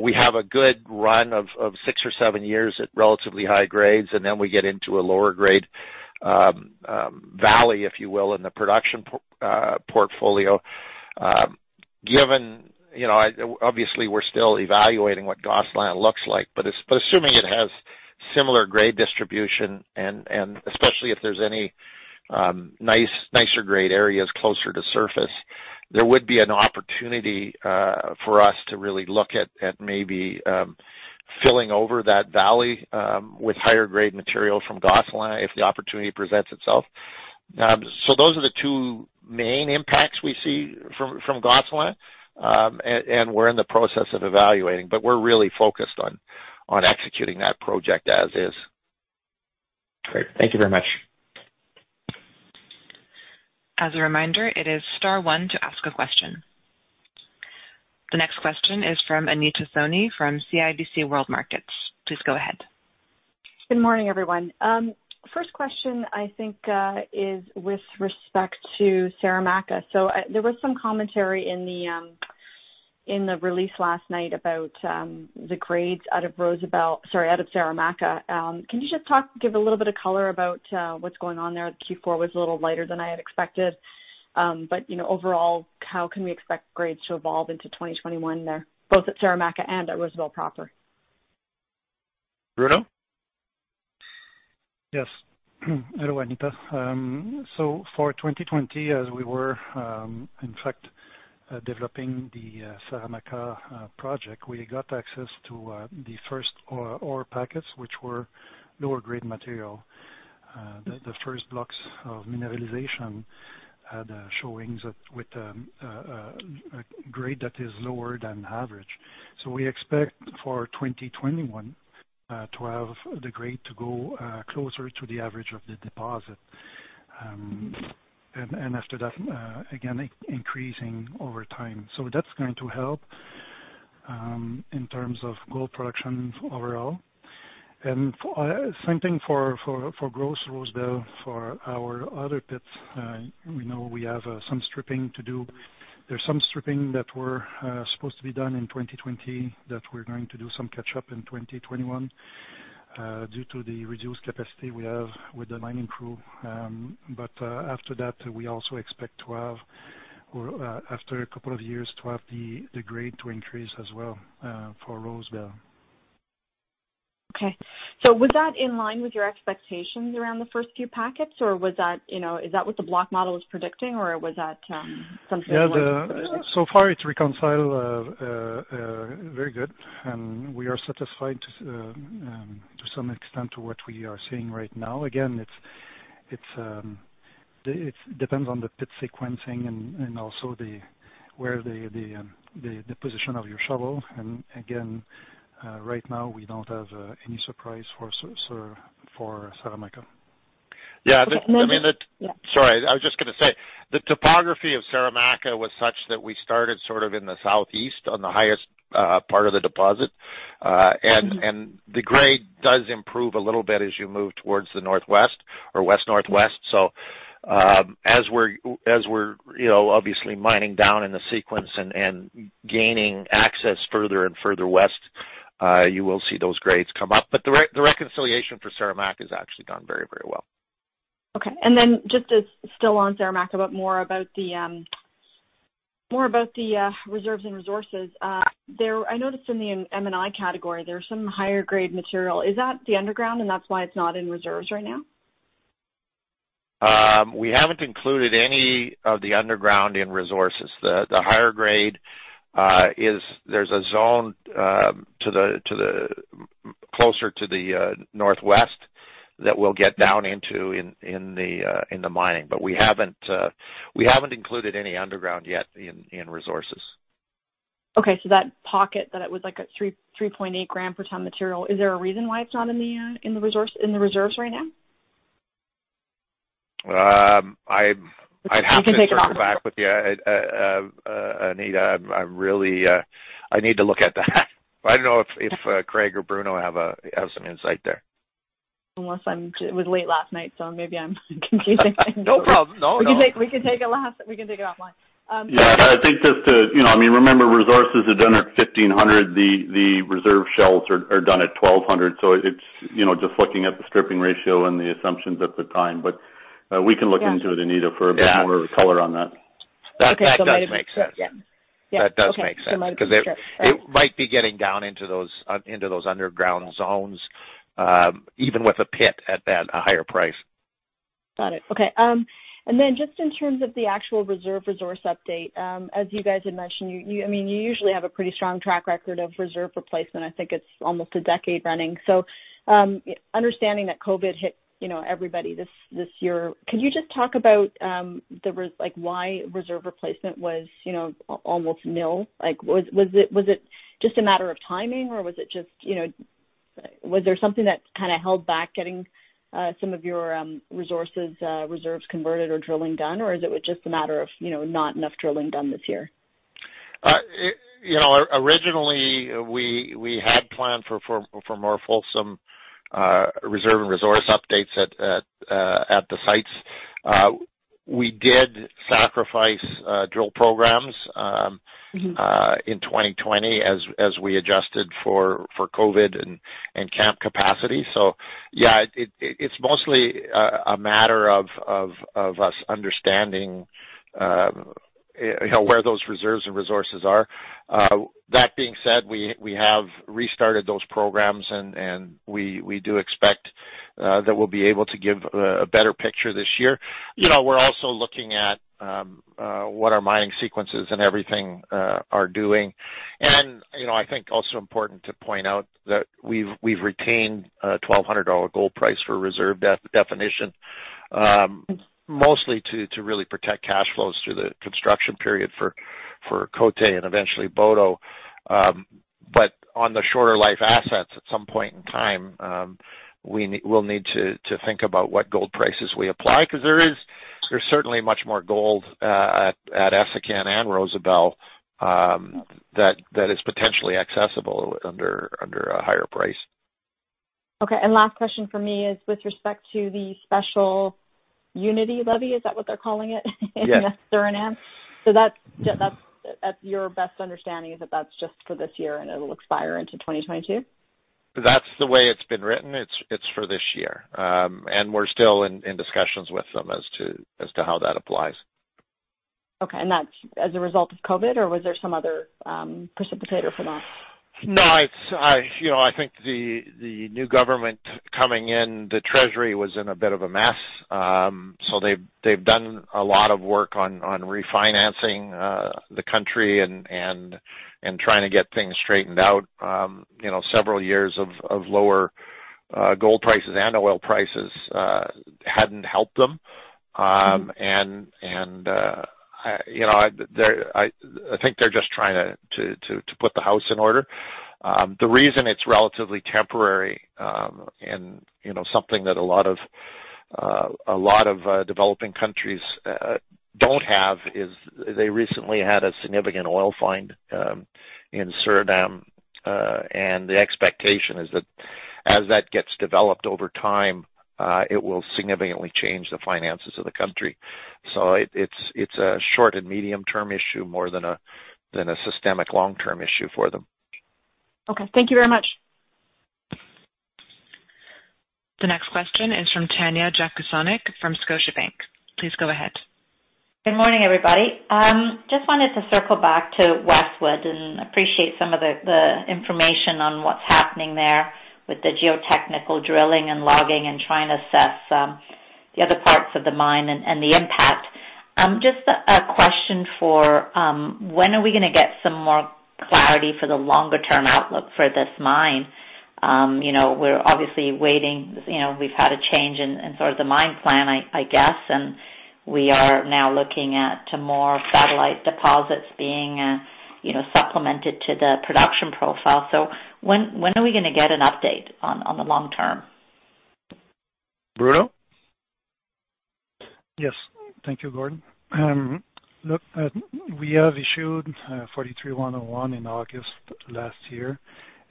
we have a good run of six or seven years at relatively high grades, and then we get into a lower grade valley, if you will, in the production portfolio. Obviously, we're still evaluating what Gosselin looks like, assuming it has similar grade distribution, and especially if there's any nicer grade areas closer to surface, there would be an opportunity for us to really look at maybe filling over that valley with higher grade material from Gosselin if the opportunity presents itself. Those are the two main impacts we see from Gosselin, we're in the process of evaluating, we're really focused on executing that project as is. Great. Thank you very much. As a reminder, it is star one to ask a question. The next question is from Anita Soni from CIBC World Markets. Please go ahead. Good morning, everyone. First question, I think, is with respect to Saramacca. There was some commentary in the release last night about the grades out of Saramacca. Can you just give a little bit of color about what's going on there? Q4 was a little lighter than I had expected, but overall, how can we expect grades to evolve into 2021 there, both at Saramacca and at Rosebel proper? Bruno? Hello, Anita. For 2020, as we were, in fact, developing the Saramacca project, we got access to the first ore packets, which were lower-grade material. The first blocks of mineralization had showings with a grade that is lower than average. We expect for 2021 to have the grade to go closer to the average of the deposit. After that, again, increasing over time. That's going to help in terms of gold production overall. Same thing for Gross Rosebel for our other pits. We know we have some stripping to do. There's some stripping that were supposed to be done in 2020 that we're going to do some catch-up in 2021 due to the reduced capacity we have with the mining crew. After that, we also expect, after a couple of years, to have the grade to increase as well for Rosebel. Okay. Was that in line with your expectations around the first few pockets, or is that what the block model was predicting, or was that something? Yeah. Far it's reconciled very good, and we are satisfied to some extent to what we are seeing right now. Again, it depends on the pit sequencing and also the position of your shovel. Again, right now we don't have any surprise for Saramacca. Yeah. Sorry, I was just going to say, the topography of Saramacca was such that we started sort of in the southeast on the highest part of the deposit. The grade does improve a little bit as you move towards the northwest or west-northwest. As we're obviously mining down in the sequence and gaining access further and further west, you will see those grades come up. The reconciliation for Saramacca has actually gone very, very well. Okay. Just still on Saramacca, but more about the reserves and resources. I noticed in the M&I category, there's some higher grade material. Is that the underground and that's why it's not in reserves right now? We haven't included any of the underground in resources. The higher grade is, there's a zone closer to the northwest that we'll get down into in the mining. We haven't included any underground yet in resources. Okay, that pocket that it was like a 3.8 gram per ton material, is there a reason why it's not in the reserves right now? I'd have to circle back with you, Anita. I need to look at that. I don't know if Craig or Bruno have some insight there. It was late last night, so maybe I'm confusing things. No problem. No. We can take it offline. Yeah. I think just to remember resources are done at $1,500. The reserve shells are done at $1,200. It's just looking at the stripping ratio and the assumptions at the time. We can look into it, Anita, for a bit more color on that. That does make sense. Yeah. Okay. That does make sense, because it might be getting down into those underground zones, even with a pit at that higher price. Got it. Okay. Just in terms of the actual reserve resource update, as you guys had mentioned, you usually have a pretty strong track record of reserve replacement. I think it's almost a decade running. Understanding that COVID hit everybody this year, could you just talk about why reserve replacement was almost nil? Was it just a matter of timing, or was there something that kind of held back getting some of your reserves converted or drilling done, or was it just a matter of not enough drilling done this year? Originally, we had planned for more fulsome reserve and resource updates at the sites. We did sacrifice drill programs in 2020 as we adjusted for COVID and camp capacity. Yeah, it's mostly a matter of us understanding where those reserves and resources are. That being said, we have restarted those programs, and we do expect that we'll be able to give a better picture this year. We're also looking at what our mining sequences and everything are doing. I think also important to point out that we've retained a $1,200 gold price for reserve definition. Mostly to really protect cash flows through the construction period for Côté and eventually Boto. On the shorter life assets, at some point in time, we'll need to think about what gold prices we apply, because there's certainly much more gold at Essakane and Rosebel that is potentially accessible under a higher price. Okay, last question from me is with respect to the special unity levy, is that what they're calling it? Yes. In Suriname. At your best understanding, is that that's just for this year and it'll expire into 2022? That's the way it's been written. It's for this year. We're still in discussions with them as to how that applies. Okay, that's as a result of COVID, or was there some other precipitator for that? I think the new government coming in, the treasury was in a bit of a mess. They've done a lot of work on refinancing the country and trying to get things straightened out. Several years of lower gold prices and oil prices hadn't helped them. I think they're just trying to put the house in order. The reason it's relatively temporary, and something that a lot of developing countries don't have, is they recently had a significant oil find in Suriname, the expectation is that as that gets developed over time, it will significantly change the finances of the country. It's a short- and medium-term issue more than a systemic long-term issue for them. Okay. Thank you very much. The next question is from Tanya Jakusconek from Scotiabank. Please go ahead. Good morning, everybody. Just wanted to circle back to Westwood and appreciate some of the information on what's happening there with the geotechnical drilling and logging, and trying to assess the other parts of the mine and the impact. Just a question for when are we going to get some more clarity for the longer-term outlook for this mine? We're obviously waiting. We've had a change in sort of the mine plan, I guess, and we are now looking at to more satellite deposits being supplemented to the production profile. When are we going to get an update on the long term? Bruno? Yes. Thank you, Gordon. Look, we have issued 43-101 in August last year,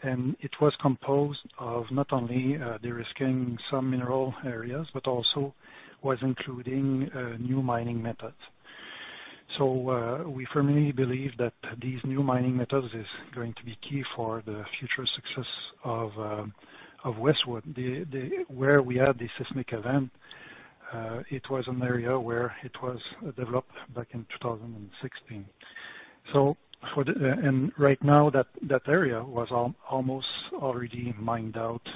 and it was composed of not only de-risking some mineral areas, but also was including new mining methods. We firmly believe that these new mining methods is going to be key for the future success of Westwood. Where we had the seismic event, it was an area where it was developed back in 2016. Right now, that area was almost already mined out.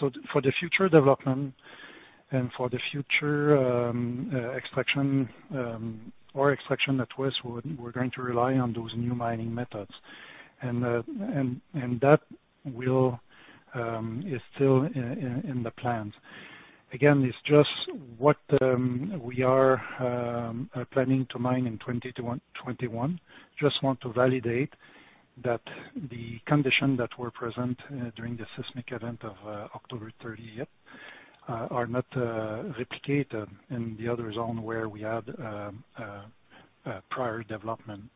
For the future development and for the future extraction at Westwood, we're going to rely on those new mining methods. That is still in the plans. Again, it's just what we are planning to mine in 2021. Just want to validate that the conditions that were present during the seismic event of October 30th are not replicated in the other zone, where we had prior development.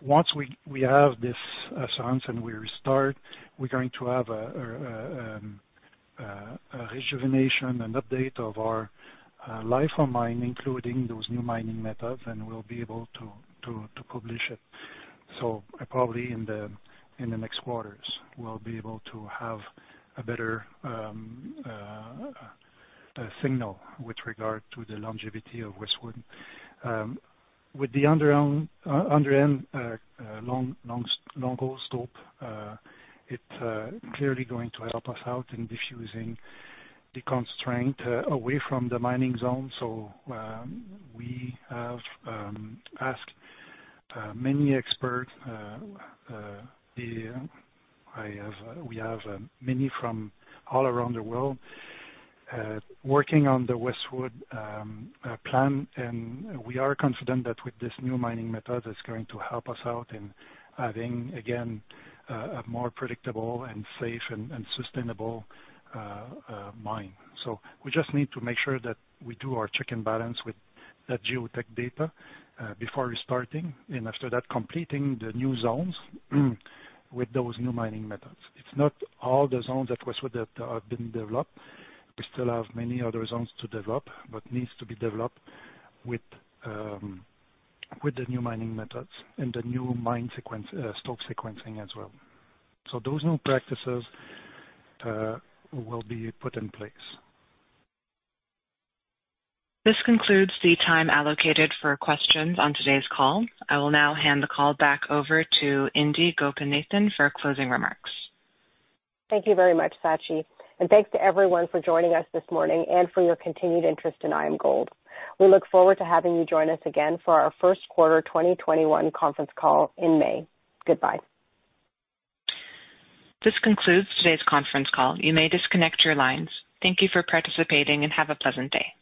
Once we have this assurance and we restart, we're going to have a rejuvenation and update of our life of mine, including those new mining methods, and we'll be able to publish it. Probably in the next quarters, we'll be able to have a better signal with regard to the longevity of Westwood. With the underhand longhole stope, it's clearly going to help us out in diffusing the constraint away from the mining zone. We have asked many experts. We have many from all around the world working on the Westwood plan, and we are confident that with this new mining method, it's going to help us out in having, again, a more predictable and safe and sustainable mine. We just need to make sure that we do our check and balance with that geotech data before restarting, and after that, completing the new zones with those new mining methods. It's not all the zones at Westwood that have been developed. We still have many other zones to develop, but needs to be developed with the new mining methods and the new mine stope sequencing as well. Those new practices will be put in place. This concludes the time allocated for questions on today's call. I will now hand the call back over to Indi Gopinathan for closing remarks. Thank you very much, Sachi, and thanks to everyone for joining us this morning and for your continued interest in IAMGOLD. We look forward to having you join us again for our first quarter 2021 conference call in May. Goodbye. This concludes today's conference call. You may disconnect your lines. Thank you for participating, and have a pleasant day.